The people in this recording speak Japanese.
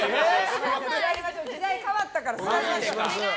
時代変わったから座りましょ。